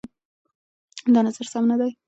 دا نظر سم نه دی.